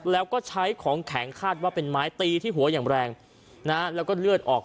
แล้วก็ใช้ของแข็งคาดว่าเป็นไม้ตีที่หัวอย่างแรงนะแล้วก็เลือดออก